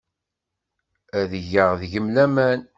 Ad geɣ deg-m laman.